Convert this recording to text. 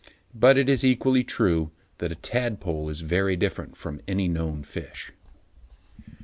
But it is equally true that a tadpole is very different from any known fish.